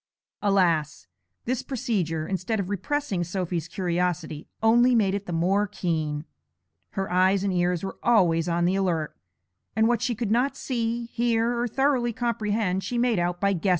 Alas! this procedure, instead of repressing Sophy's curiosity, only made it the more keen; her eyes and ears were always on the alert, and what she could not see, hear, or thoroughly comprehend she made out by guesses.